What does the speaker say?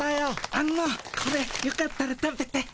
あのこれよかったら食べて。